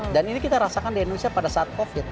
dan ini kita rasakan di indonesia pada saat covid